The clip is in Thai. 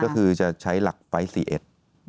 ก็คือจะใช้หลักไฟล์สี่เอ็ด